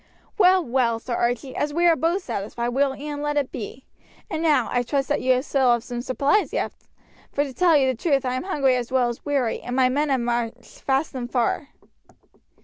"Well, well, Sir Archie, as we are both satisfied we will e'en let it be; and now, I trust that you have still some supplies left, for to tell you the truth I am hungry as well as weary, and my men have marched fast and far."